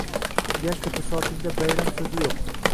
Garchi bisotingda \”bayram\” suzi yuq